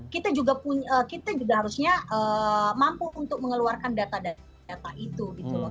kita juga harusnya mampu untuk mengeluarkan data data itu gitu loh